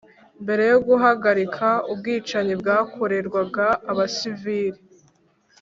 Mbere yo guhagarika ubwicanyi bwakorerwaga abasiviri